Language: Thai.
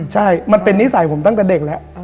ใช่มันเป็นนิสัยผมตั้งแต่เด็กแล้ว